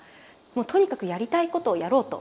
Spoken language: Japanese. もうとにかくやりたいことをやろうと。